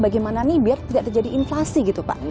bagaimana nih biar tidak terjadi inflasi gitu pak